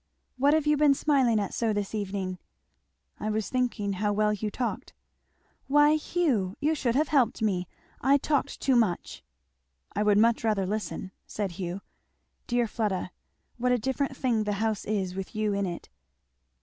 "What have you been smiling at so this evening?" "I was thinking how well you talked." "Why Hugh! You should have helped me I talked too much." "I would much rather listen," said Hugh. "Dear Fleda, what a different thing the house is with you in it!"